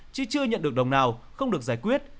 chứ chưa nhận được đồng nào không được giải quyết